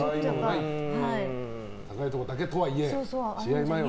高いところだけとはいえ試合前は。